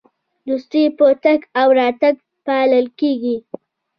دوستي په تګ او راتګ پالل کیږي.